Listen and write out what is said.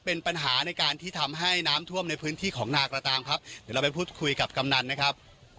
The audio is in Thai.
เป็นปัญหาในการที่ทำให้น้ำท่วมในพื้นที่ของนาก็ตามครับเดี๋ยวเราไปพูดคุยกับกำนันนะครับ